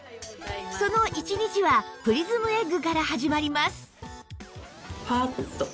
その一日はプリズムエッグから始まります